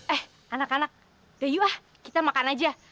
eh anak anak ya yuk ah kita makan aja